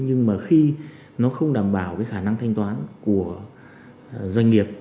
nhưng mà khi nó không đảm bảo cái khả năng thanh toán của doanh nghiệp